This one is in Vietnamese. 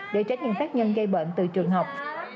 để tránh những tác nhân gây bệnh từ trường học